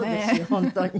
本当に。